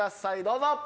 どうぞ！